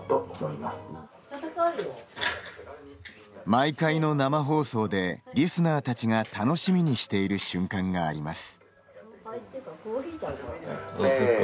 毎回の生放送でリスナーたちが楽しみにしている瞬間があります。